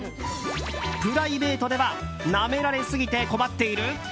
プライベートではなめられすぎて困っている？